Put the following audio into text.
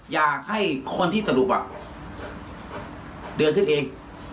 อยากให้คนที่สรุปเดือนขึ้นเอง